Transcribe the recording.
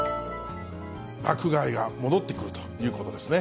爆買いが戻ってくる？ということですね。